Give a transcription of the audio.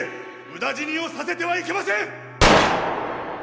無駄死にをさせてはいけません！